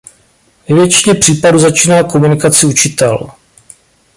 Ve většině případů začíná komunikaci učitel.